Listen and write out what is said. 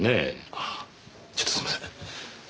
ああちょっとすみません。